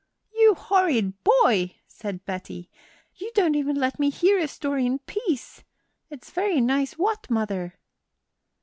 "You horrid boy," said Betty, "you don't even let me hear a story in peace! It's very nice what, mother?"